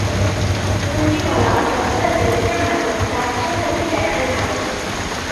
ঊর্মিমালা যতটা দেখতে ভালো তার চেয়েও তাকে দেখায় ভালো।